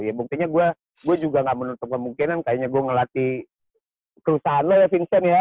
ya buktinya gue juga gak menutup kemungkinan kayaknya gue ngelatih perusahaan lo ya vincent ya